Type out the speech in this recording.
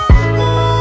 terima kasih ya allah